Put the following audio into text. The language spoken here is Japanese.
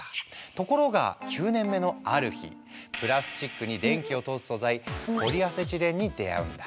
ところが９年目のある日プラスチックに電気を通す素材「ポリアセチレン」に出会うんだ。